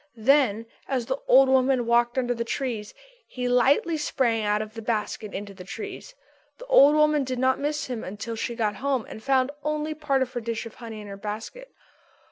Then as the old woman walked under the trees he lightly sprang out of the basket into the trees. The old woman did not miss him until she got home and found only part of her dish of honey in the basket.